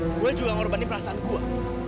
gue juga mengorbani perasaan gue